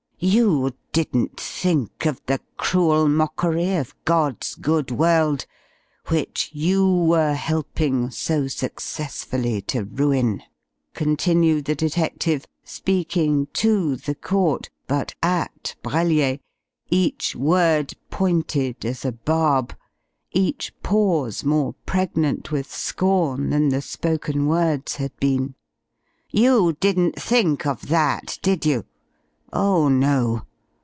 "You didn't think of the cruel mockery of God's good world, which you were helping so successfully to ruin!" continued the detective, speaking to the court but at Brellier, each word pointed as a barb, each pause more pregnant with scorn than the spoken words had been. "You didn't think of that, did you? Oh, no!